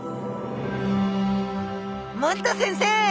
森田先生